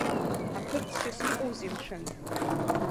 Аԥырҵшьас иҟоузеи, мшәан?!